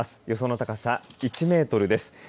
予想の高さ１メートルです。